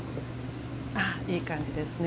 ああいい感じですね。